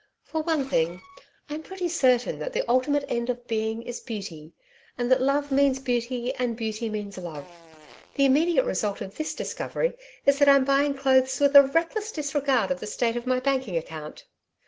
For one thing, I'm pretty certain that the ultimate end of Being is Beauty and that Love means Beauty and Beauty means Love. The immediate result of this discovery is that I'm buying clothes with a reckless disregard of the state of my banking account.